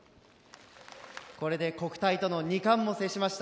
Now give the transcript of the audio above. これで国体との２冠も制しました。